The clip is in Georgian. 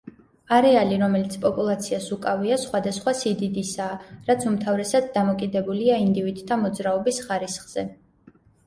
არეალი, რომელიც პოპულაციას უკავია, სხვადასხვა სიდიდისაა, რაც უმთავრესად დამოკიდებულია ინდივიდთა მოძრაობის ხარისხზე.